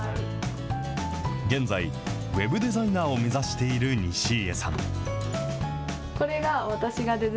現在、ウェブデザイナーを目指している西家さん。